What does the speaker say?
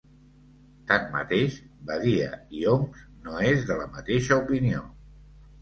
Tanmateix Badia i Homs no és de la mateixa opinió.